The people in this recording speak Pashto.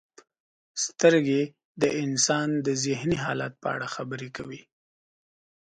• سترګې د انسان د ذهني حالت په اړه خبرې کوي.